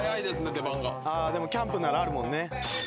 でもキャンプならあるもんね。